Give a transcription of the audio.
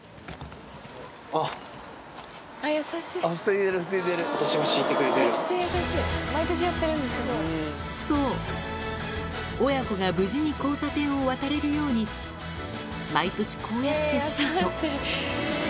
あっ、そう、親子が無事に交差点を渡れるように、毎年、こうやってシートを。